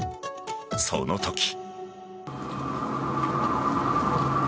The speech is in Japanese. その時。